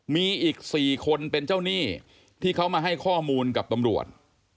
มีอีก๔คนเป็นเจ้าหนี้ที่เขามาให้ข้อมูลกับตำรวจ